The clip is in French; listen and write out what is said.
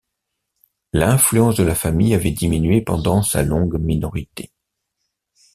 L'influence de la famille avait diminué pendant sa longue minorité.